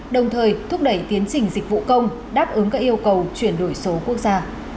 đồng thời thúc đẩy tiến trình dịch vụ công đáp ứng các yêu cầu chuyển đổi số quốc gia